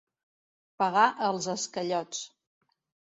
Pagar els esquellots.